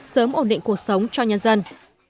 sớm ổn định cuộc sống cho nhân dân